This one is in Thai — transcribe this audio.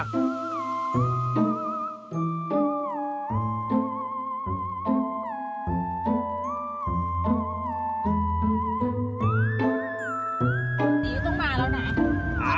วันนี้ต้องมาแล้วนะ